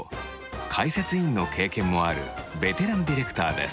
解説委員の経験もあるベテランディレクターです。